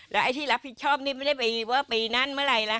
แล้วไอ้ที่รับผิดชอบนี่ไม่ได้ไปเวอร์ไปนั่นเมื่อไหร่แล้ว